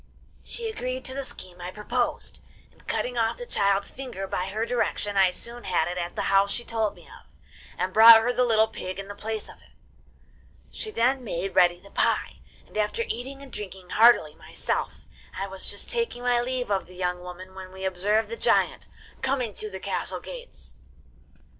'She agreed to the scheme I proposed, and, cutting off the child's finger, by her direction I soon had it at the house she told me of, and brought her the little pig in the place of it. She then made ready the pie, and after eating and drinking heartily myself, I was just taking my leave of the young woman when we observed the giant coming through the castle gates.